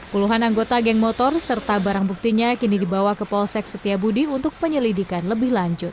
puluhan anggota geng motor serta barang buktinya kini dibawa ke polsek setiabudi untuk penyelidikan lebih lanjut